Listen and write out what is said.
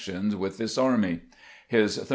tion with this army. His thorough 1.